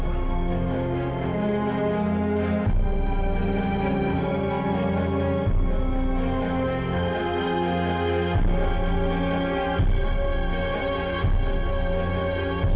kita akan pergi